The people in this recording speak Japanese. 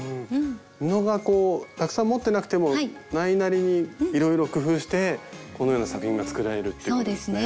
布がたくさん持ってなくてもないなりにいろいろ工夫してこのような作品が作られるっていうことですね。